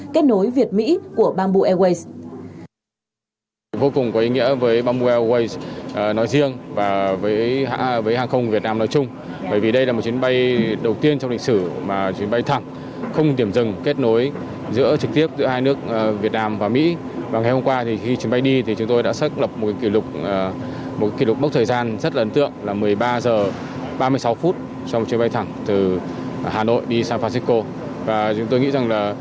kết nối việt mỹ của bamboo airways